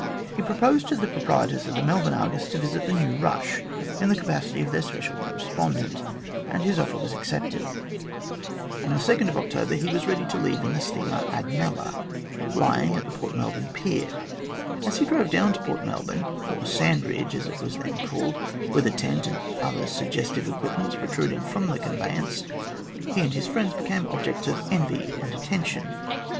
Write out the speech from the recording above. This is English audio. He proposed to the proprietors of the Melbourne Argus to visit the " new rush " in the capacity of their special correspondent, and his offer was accepted. On October 2, he was ready to leave in the steamer Admella, lying at the Port Melbourne pier. As he drove down to Port Melbourne, or Sandridge, as it was then called, with a tent and other suggestive equipments protruding from the conveyance, he and his friends became objects of envy and attention.